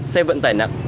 xe vẫn tải nặng